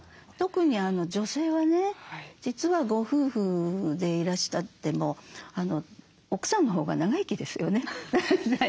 特に女性はね実はご夫婦でいらしても奥さんのほうが長生きですよね。